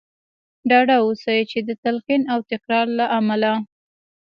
ډاډه اوسئ چې د تلقين او تکرار له امله.